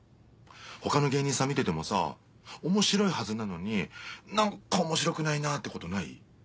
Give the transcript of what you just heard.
他の芸人さん見ててもさ面白いはずなのに何か面白くないなってことない？